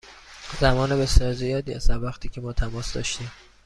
زمان بسیار زیادی است از وقتی که ما تماس داشتیم.